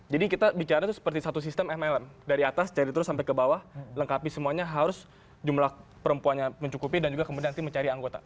jadi kita bicara itu seperti satu sistem mlm dari atas cari terus sampai ke bawah lengkapi semuanya harus jumlah perempuannya mencukupi dan juga kemudian mencari atasnya